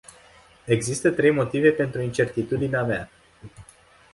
Există trei motive pentru incertitudinea mea.